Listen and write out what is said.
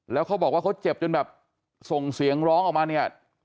แล้วเขาบอกว่าเขาเจ็บจนแบบส่งเสียงร้องออกมาเนี่ย